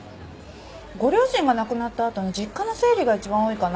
ご両親が亡くなったあとの実家の整理が一番多いかな。